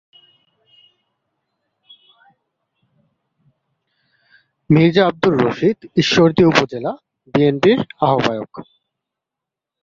মীর্জা আব্দুর রশিদ ঈশ্বরদী উপজেলা বিএনপির আহ্বায়ক।